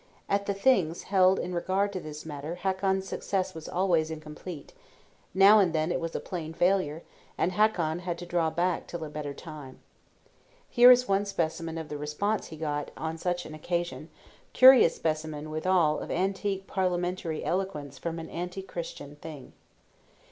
At the Things held in regard to this matter Hakon's success was always incomplete; now and then it was plain failure, and Hakon had to draw back till a better time. Here is one specimen of the response he got on such an occasion; curious specimen, withal, of antique parliamentary eloquence from an Anti Christian Thing.